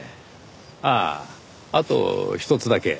あああとひとつだけ。